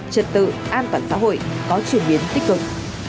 trật tự an toàn xã hội có chuyển biến tích cực